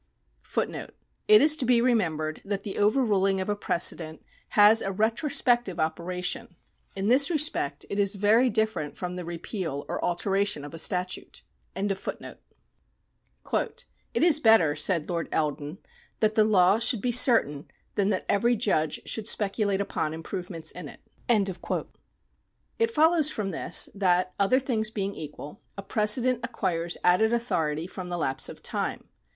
^ 1 It is to be remembered that the overruHng of a precedent has a retrospec tive operation. In this respect it is very different from the repeal or alteration of a statute. § 65] PRECEDENT 167 "It is better," said Lord Eldon, " that the law should be certain than that every judge should speculate upon im provements in it." ^ It follows from this that, other things being equal, a pre cedent acquires added authority from the lapse of time.